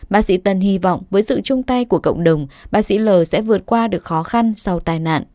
bác sĩ tân hy vọng với sự chung tay của cộng đồng bác sĩ l sẽ vượt qua được khó khăn sau tai nạn